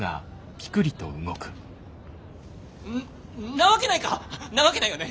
なわけないかなわけないよね。